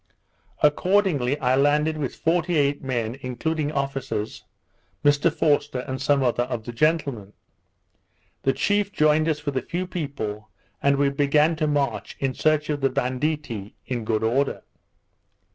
Accordingly I landed with forty eight men, including officers, Mr Forster, and some other of the gentlemen. The chief joined us with a few people, and we began to march, in search of the banditti, in good order.